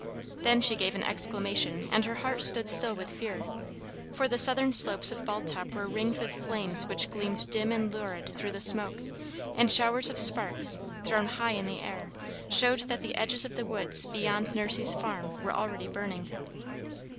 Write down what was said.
Then she gave an exclamation, and her heart stood still with fear; for the southern slopes of Bald Top were ringed with flames which gleamed dim and lurid through the smoke, and showers of sparks, thrown high in air, showed that the edges of the woods beyond Nursey's farm were already burning.